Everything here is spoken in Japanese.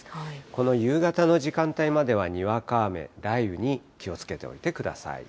この夕方の時間帯までは、にわか雨、雷雨に気をつけておいてください。